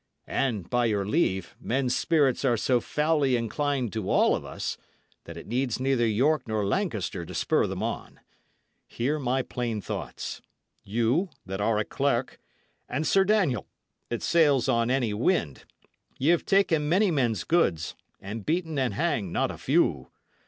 And, by your leave, men's spirits are so foully inclined to all of us, that it needs neither York nor Lancaster to spur them on. Hear my plain thoughts: You, that are a clerk, and Sir Daniel, that sails on any wind, ye have taken many men's goods, and beaten and hanged not a few.